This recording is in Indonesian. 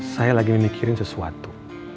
saya lagi memikirin sesuatu